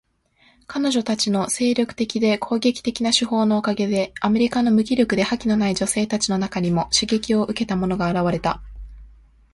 彼女たちの精力的で攻撃的な手法のおかげで、アメリカの無気力で覇気のない女性たちの中にも刺激を受けた者が現れた。